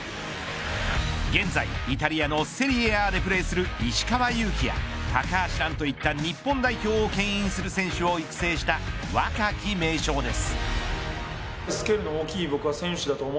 現在イタリアのセリエＡでプレーする石川祐希や高橋藍といった日本代表をけん引する選手を育成した若き名将です。